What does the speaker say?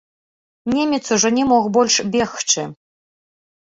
Немец ужо не мог больш бегчы.